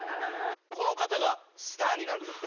この方がスターになるのか？